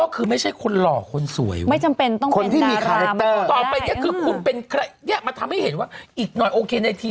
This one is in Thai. เขานะตอนนั้นเลยนะอย่างนี้ดูสิ